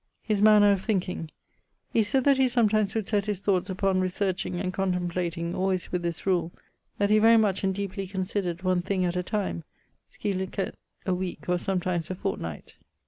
His manner of thinking: he sayd that he sometimes would sett his thoughts upon researching and contemplating, always with this rule that he very much and deeply considered one thing at a time (scilicet, a weeke or sometimes a fortnight).